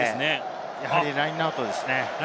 やはりラインアウトですね。